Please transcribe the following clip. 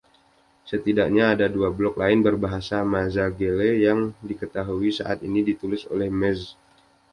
Setidaknya, ada dua blog lain berbahasa mezangelle yang diketahui saat ini ditulis oleh mez.